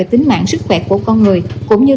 trong sức khỏe của con người cũng như